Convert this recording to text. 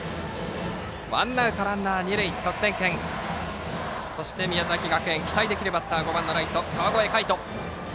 ワンアウトランナー、二塁と得点圏に進めて宮崎学園、期待できるバッター５番のライト、川越魁斗。